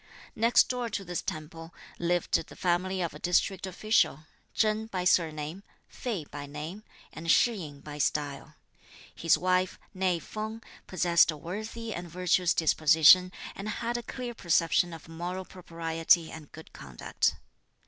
Next door to this temple lived the family of a district official, Chen by surname, Fei by name, and Shih yin by style. His wife, née Feng, possessed a worthy and virtuous disposition, and had a clear perception of moral propriety and good conduct.